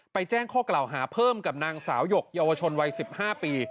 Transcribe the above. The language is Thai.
แจ้งข้อกล่าวหาเพิ่มกับนางสาวหยกเยาวชนวัย๑๕ปี